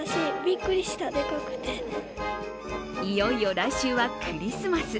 いよいよ来週はクリスマス。